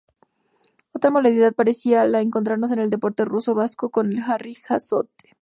Otra modalidad parecida la encontramos en el deporte rural vasco con el "Harri-jasotze".